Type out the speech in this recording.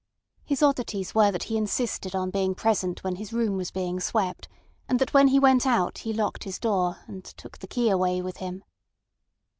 His oddities were that he insisted on being present when his room was being swept, and that when he went out he locked his door, and took the key away with him.